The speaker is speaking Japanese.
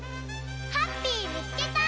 ハッピーみつけた！